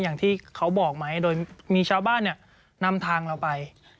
อย่างที่เขาบอกไหมโดยมีชาวบ้านเนี่ยนำทางเราไป